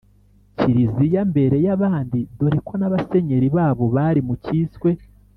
kiliziya mbere y’abandi dore ko n’abasenyeri babo bari mu cyiswe